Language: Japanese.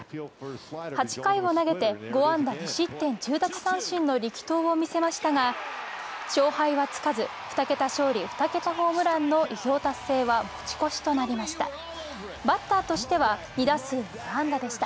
８回を投げて５安打２失点１０奪三振の力投を見せましたが勝敗はつかず「２桁勝利、２桁ホームラン」の偉業達成は持ち越しとなりました。